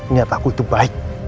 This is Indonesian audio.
niat aku itu baik